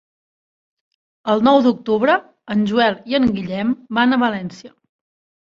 El nou d'octubre en Joel i en Guillem van a València.